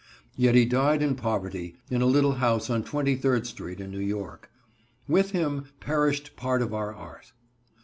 Yet he died in poverty, in a little house on Twenty third Street in New York. With him perished part of our art.